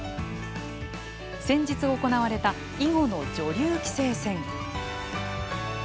先日行われた囲碁の女流棋聖戦。